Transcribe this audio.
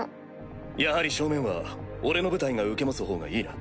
やはり正面は俺の部隊が受け持つほうがいいな。